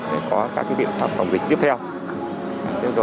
để có các biện pháp phòng dịch tiếp theo